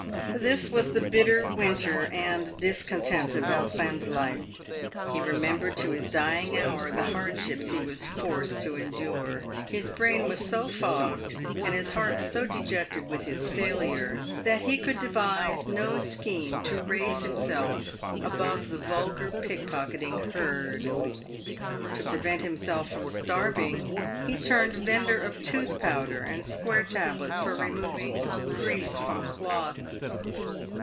This was the bitter winter and discontent of Vau trin's life. He remembered to his dying hour the hardships he was forced to endure. His brain was so fogged, and his heart so dejected with his failure, that he could devise no scheme to raise himself above the vulgar pickpocketing herd. To prevent himself from starving, he turned vendor of tooth powder and square tablets for removing grease from cloth.